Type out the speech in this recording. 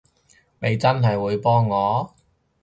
你真係會幫我？